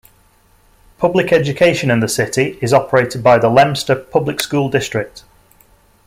Public education in the city is operated by the Leominster Public School District.